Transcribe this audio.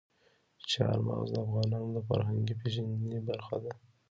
چار مغز د افغانانو د فرهنګي پیژندنې برخه ده.